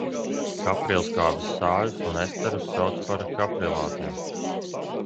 Kaprilskābes sāļus un esterus sauc par kaprilātiem.